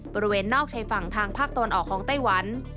บริเวณนอกชายฝั่งทางภาคตะวันออกของไต้หวัน